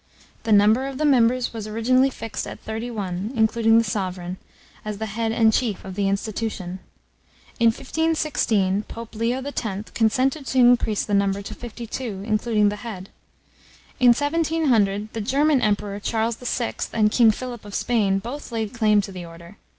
The number of the members was originally fixed at thirty one, including the sovereign, as the head and chief of the institution. In 1516, Pope Leo X. consented to increase the number to fifty two, including the head. In 1700 the German emperor Charles VI. and King Philip of Spain both laid claim to the order.